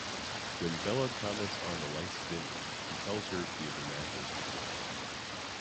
When Bella comments on the lights' dimming, he tells her she is imagining things.